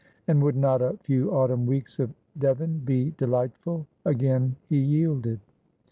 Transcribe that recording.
And would not a few autumn weeks of Devon be delightful? Again he yielded.